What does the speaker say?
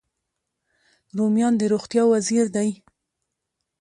رومیان د روغتیا وزیر دی